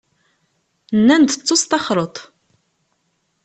Nnan-d tettusṭaxreḍ.